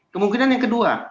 kemungkinan yang kedua